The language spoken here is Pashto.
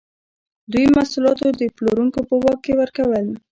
دوی محصولات د پلورونکو په واک کې ورکول.